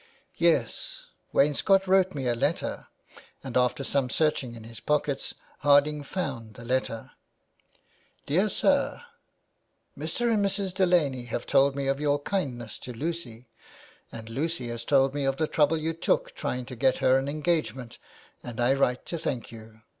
" Yes. Wainscott wrote me a letter," and after some searching in his pockets Harding found the letter. "' Dear Sir — Mr. and Mrs. Delaney have told me of your kindness to Lucy, and Lucy has told me of the trouble you took trying to get her an engagement, and I write to thank you.